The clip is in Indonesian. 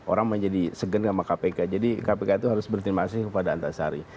orang menjadi seger dengan kpk jadi kpk itu harus berterimasi kepada antasari